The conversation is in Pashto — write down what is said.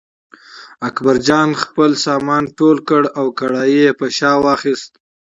اکبرجان خپل سامان ټول کړ او کړایی یې پر شا واخیست.